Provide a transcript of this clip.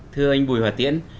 thưa anh bùi hòa tiễn